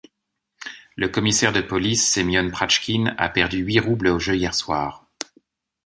Le commissaire de police Sémione Pratchkine a perdu huit roubles au jeu hier soir.